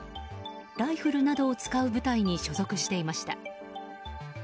ライフルなどを使う部隊に所属していました。